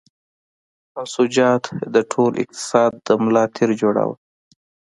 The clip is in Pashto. منسوجات د ټول اقتصاد د ملا تیر جوړاوه.